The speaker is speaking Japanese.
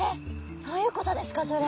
どういうことですかそれ！